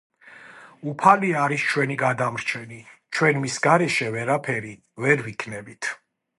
უფალი არის ჩვენი გადამრჩენი. ჩვენ მის გარეშე ვერაფერი ვერ ვიქნებით.